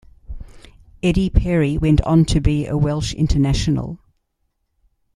Eddie Perry went on to be a Welsh international.